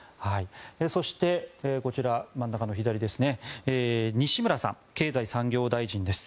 そして真ん中の左西村さん、経済産業大臣です。